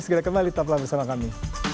segera kembali tetaplah bersama kami